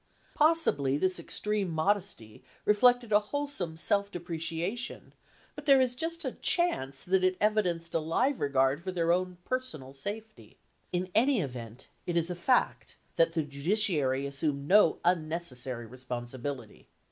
Possibly this extreme modesty reflected a whole some self depreciation, but there is just a chance that it evidenced a live regard for their own per sonal safety. In any event, it is a fact that the judiciary assumed no unnecessary responsibility.